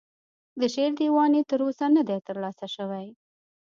د شعر دیوان یې تر اوسه نه دی ترلاسه شوی.